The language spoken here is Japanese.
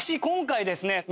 今回ですね